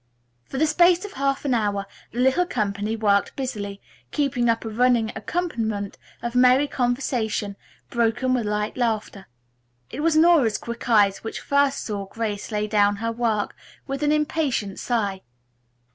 For the space of half an hour the little company worked busily, keeping up a running accompaniment of merry conversation broken with light laughter. It was Nora's quick eyes which first saw Grace lay down her work with an impatient sigh.